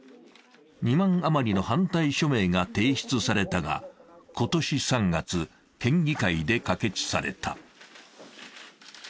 ２万余りの反対署名が提出されたが今年３月、県議会で可決された。